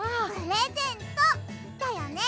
プレゼントだよね？